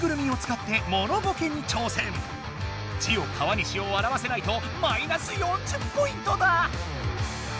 ここではジオ川西をわらわせないとマイナス４０ポイントだ！